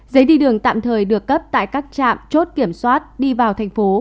giấy đi đường tạm thời được cấp tại các trạm chốt kiểm soát đi vào thành phố